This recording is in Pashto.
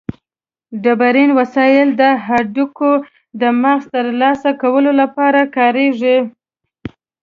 ډبرین وسایل د هډوکو د مغزو د ترلاسه کولو لپاره کارېدل.